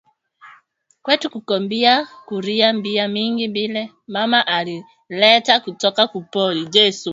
Kwetu kuko bia kuria bia mingi bile mama ari leta kutoka ku pori